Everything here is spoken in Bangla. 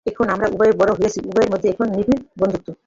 এখন আমরা উভয়েই বড় হইয়াছি, উভয়ের মধ্যে এখন নিবিড় বন্ধুত্ব।